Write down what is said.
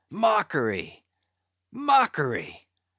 —mockery! mockery!